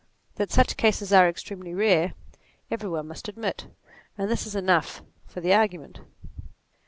That such cases are extremely rare, every one must admit, and this is enough for the argument.